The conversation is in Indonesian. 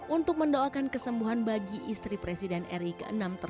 untuk mendoakan kesembuhan bagi istri presiden ri ke enam